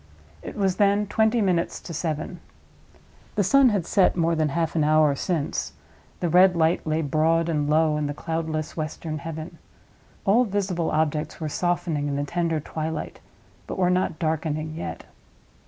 It was then twenty minutes to seven. The sun had set more than half an hour since; the red light lay broad and low in the cloudless western heaven; all visible objects were softening in the tender twilight, but were not darkening yet.